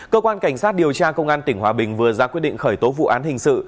cơ quan cảnh sát điều tra công an tỉnh hòa bình vừa ra quyết định khởi tố vụ án hình sự